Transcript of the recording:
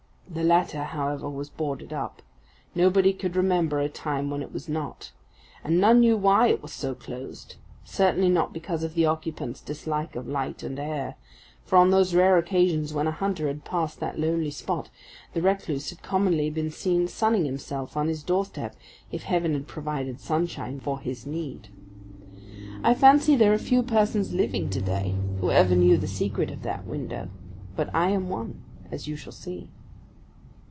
The latter, however, was boarded up nobody could remember a time when it was not. And none knew why it was so closed; certainly not because of the occupant's dislike of light and air, for on those rare occasions when a hunter had passed that lonely spot the recluse had commonly been seen sunning himself on his doorstep if heaven had provided sunshine for his need. I fancy there are few persons living to day who ever knew the secret of that window, but I am one, as you shall see.